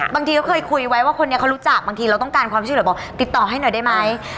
บางทีก็เคยคุยไว้ว่าคนนี้เขารู้จักบางทีเราต้องการความช่วยเหลือบอกติดต่อให้หน่อยได้ไหม